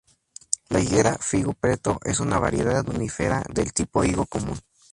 La higuera 'Figo Preto' es una variedad unífera, del tipo Higo común.